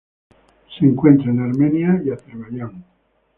Se encuentra en Armenia y Azerbaiyán.